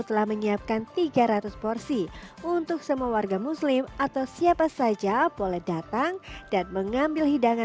telah menyiapkan tiga ratus porsi untuk semua warga muslim atau siapa saja boleh datang dan mengambil hidangan